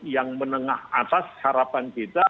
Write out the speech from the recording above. yang menengah atas harapan kita